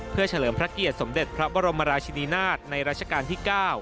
เพื่อเฉลิมพระเกียรติสมเด็จพระบรมราชินินาศในราชการที่๙